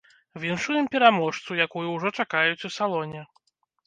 Віншуем пераможцу, якую ўжо чакаюць у салоне.